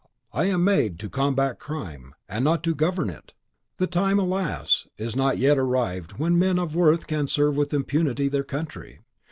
I am made to combat crime, and not to govern it. The time, alas! is not yet arrived when men of worth can serve with impunity their country.